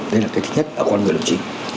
đấy là cái thứ nhất ở con người đồng chí